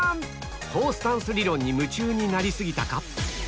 ４スタンス理論に夢中になり過ぎたか？